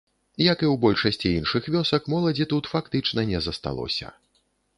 Як і ў большасці іншых вёсак, моладзі тут фактычна не засталося.